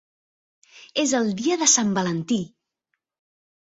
És el Dia de Sant Valentí!